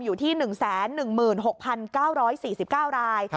อยู่ที่๑๑๖๙๔๙ราย